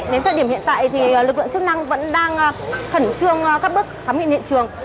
đến thời điểm hiện tại thì lực lượng chức năng vẫn đang khẩn trương các bước khám nghiệm hiện trường